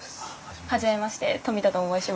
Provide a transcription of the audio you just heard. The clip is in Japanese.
初めまして冨田と申します。